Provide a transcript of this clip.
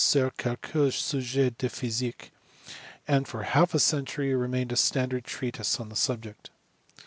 sur quelques sujets de physique..., and for half a century remained a standard treatise on the subject.